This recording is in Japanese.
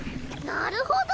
なるほど！